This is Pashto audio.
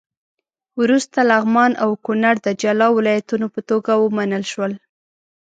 وروسته لغمان او کونړ د جلا ولایتونو په توګه ومنل شول.